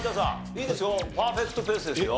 いいですよパーフェクトペースですよ。